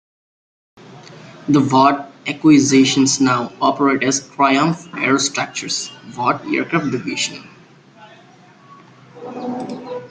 The Vought acquisitions now operate as Triumph Aerostructures - Vought Aircraft Division.